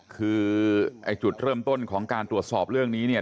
คือไอ้จุดเริ่มต้นของการตรวจสอบเรื่องนี้เนี่ย